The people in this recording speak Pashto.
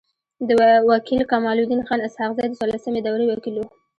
و کيل کمال الدین خان اسحق زی د څوارلسمي دوری وکيل وو.